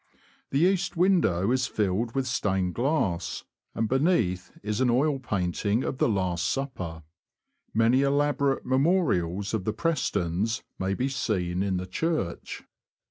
The east window is filled with stained glass, and beneath is an oil painting of the Last Supper. Many elaborate memorials of the Prestons may be seen in the church.